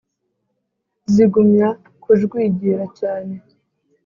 Zigumya kujwigira cyane